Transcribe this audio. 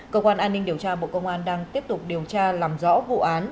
cơ quan an ninh điều tra bộ công an đang tiếp tục điều tra làm rõ vụ án